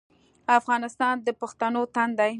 افغانستان د پښتنو تن دی